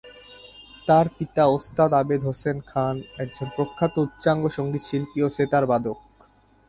তার পিতা ওস্তাদ আবেদ হোসেন খান একজন প্রখ্যাত উচ্চাঙ্গ সঙ্গীতশিল্পী ও সেতার বাদক।